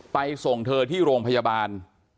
ส่งเธอที่โรงพยาบาล